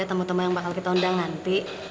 temen temen yang bakal kita undang nanti